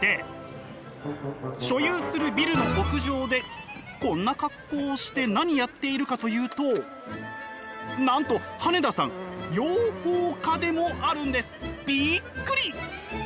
所有するビルの屋上でこんな格好して何やっているかというとなんと羽根田さん養蜂家でもあるんです！びっくり！